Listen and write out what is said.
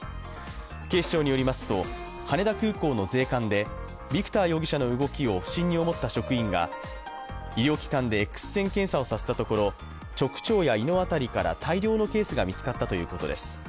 警視庁によりますと羽田空港の税関でビクター容疑者の動きを不審に思った職員が、医療機関でＸ線検査をさせたところ直腸や胃の辺りから大量のケースが見つかったということです。